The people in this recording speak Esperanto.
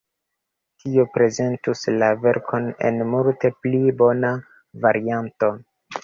Tio prezentus la verkon en multe pli bona varianto.